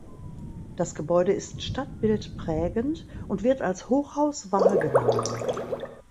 Das Gebäude ist stadtbildprägend und wird als Hochhaus wahrgenommen.